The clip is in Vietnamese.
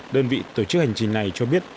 đơn vị tổ chức hành trình này cho biết